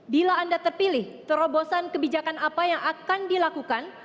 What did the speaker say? bila anda terpilih terobosan kebijakan apa yang akan dilakukan